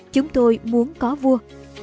chúng tôi muốn có vua